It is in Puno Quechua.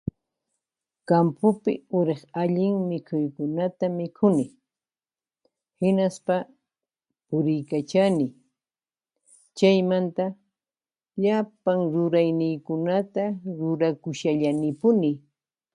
kampupi uriq allin mikhuykunata mikhuni hinaspa puriykachani chaymanta llapan rurayniykunata rurakushallanipuni.